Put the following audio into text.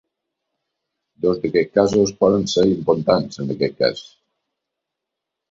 Dos d’aquests casos poden ser importants en aquest cas.